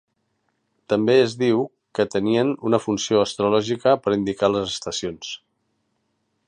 També es diu que tenien una funció astrològica per indicar les estacions.